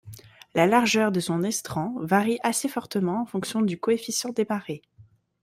La largeur de son estran varie assez fortement en fonction du coefficient des marées.